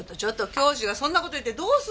教師がそんな事言ってどうするの。